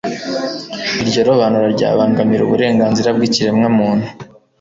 iryo robanura ryabangamira uburenganzira bw'ikiremwamuntu